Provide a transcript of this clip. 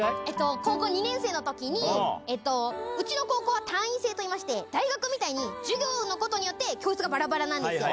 高校２年生のときに、うちの高校は単位制といいまして、大学みたいに授業によって教室がばらばらなんですよ。